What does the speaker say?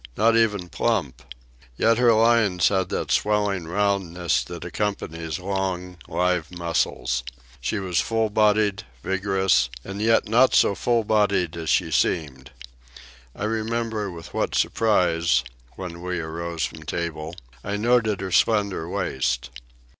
—not even plump; yet her lines had that swelling roundness that accompanies long, live muscles. She was full bodied, vigorous; and yet not so full bodied as she seemed. I remember with what surprise, when we arose from table, I noted her slender waist.